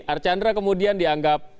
archandra kemudian dianggap